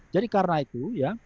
jadi karena itu